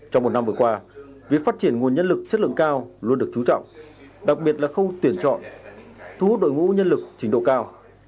trong một năm vừa qua việc phát triển nguồn nhân lực chất lượng cao luôn được chú trọng đặc biệt là khâu tuyển chọn thu hút đội ngũ nhân lực trình độ cao